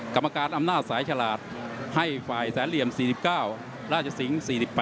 กรรมการอำนาจสายฉลาดให้แสล๔๙ราชสิง๔๘